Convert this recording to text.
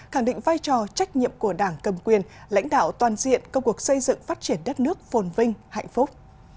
khẳng định vai trò trách nhiệm của đảng cầm quyền lãnh đạo toàn diện công cuộc xây dựng phát triển đất nước phồn vinh hạnh phúc